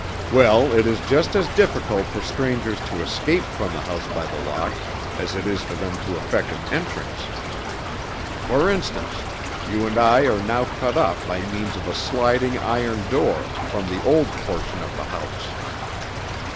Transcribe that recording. Well, it is just as difficult for strangers to escape from the House by the Lock as it is for them to effect an entrance. For instance, you and I are now cut off by means of a sliding iron door from the old portion of the house.